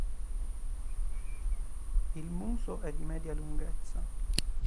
Il muso è di media lunghezza.